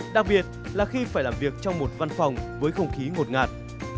đặc biệt là khi phải làm việc trong một văn phòng với không khí ngột ngạt